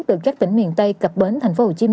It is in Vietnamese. từ các tỉnh miền tây cập bến tp hcm